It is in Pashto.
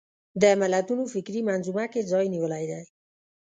د ملتونو فکري منظومه کې ځای نیولی دی